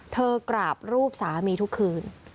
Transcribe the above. กราบรูปสามีทุกคืน